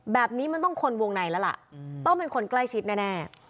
แบบนี้มันต้องคนวงในแล้วล่ะต้องเป็นคนใกล้ชิดแน่